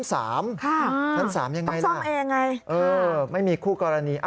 ค่ะต้องซ่อมเองค่ะชั้น๓ยังไงน่ะไม่มีคู่กรณี